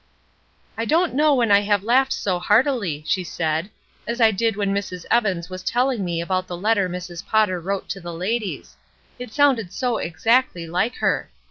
"I don't know when I have laughed so heart ily," she said, "as I did when Mrs. Evans was ^'THE SAME PERSON" 415 telling me about the letter Mrs. Potter wrote to the ladies; it sounded so exactly like her.